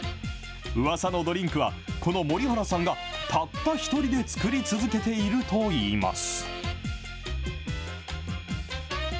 うわさのドリンクは、この森原さんがたった一人で作り続けているといいます。